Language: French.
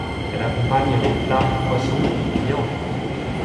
Elle accompagne les plats de poisson ou de viande.